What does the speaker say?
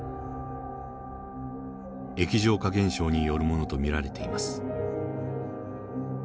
液状化現象によるものと見られています。